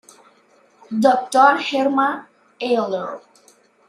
Dr. German Aller.